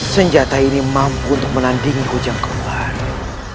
senjata ini mampu untuk menandingi hujan keuangan